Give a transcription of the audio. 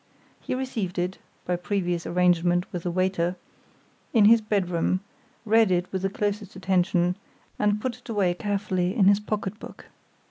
He received it (by previous arrangement with the waiter) in his bedroom—read it with the closest attention—and put it away carefully in his pocketbook.